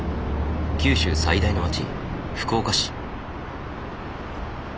九州最大の街福岡市。